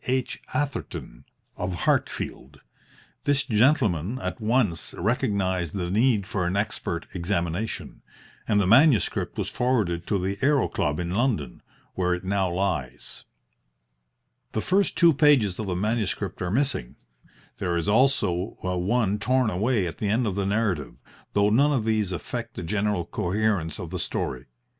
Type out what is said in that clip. H. Atherton, of Hartfield. This gentleman at once recognised the need for an expert examination, and the manuscript was forwarded to the Aero Club in London, where it now lies. The first two pages of the manuscript are missing. There is also one torn away at the end of the narrative, though none of these affect the general coherence of the story.